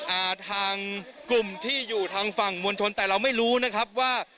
อ่าทางกลุ่มที่อยู่ทางฝั่งมวลชนแต่เราไม่รู้นะครับว่า